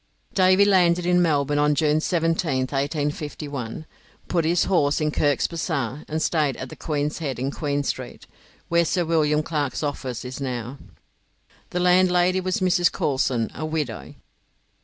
Davy landed in Melbourne on June 17th, 1851, put his horse in Kirk's bazaar, and stayed at the Queen's Head in Queen Street, where Sir William Clarke's office is now. The landlady was Mrs. Coulson, a widow.